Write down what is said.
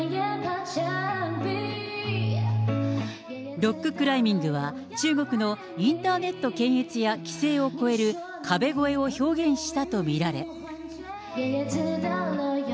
ロッククライミングは中国のインターネット検閲や規制を越える壁越えを表現したと見られ。